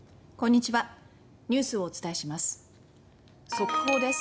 速報です。